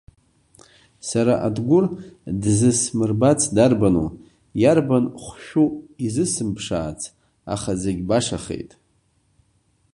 Сара Адгәыр дзысмырбац дарбану, иарбан хәшәу изысымԥшаац, аха зегь башахеит.